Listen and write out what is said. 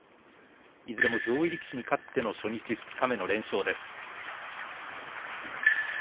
いずれも上位力士に勝っての初日、二日目の連勝です。